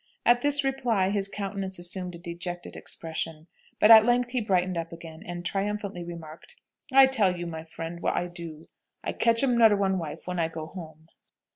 At this reply his countenance assumed a dejected expression, but at length he brightened up again and triumphantly remarked, "I tell you, my friend, what I do; I ketch 'um nodder one wife when I go home."